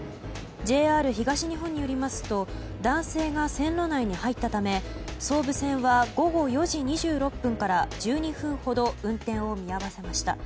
ＪＲ東日本によりますと男性が線路内に入ったため総武線は午後４時２６分から１２分ほど運転を見合わせました。